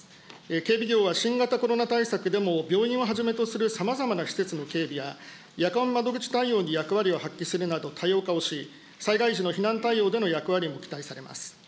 警備業法は新型コロナ対策でも、病院をはじめとするさまざまな施設の警備や、夜間窓口対応で役割を発揮するなど、多様化をし、災害時の避難対応での役割も期待されます。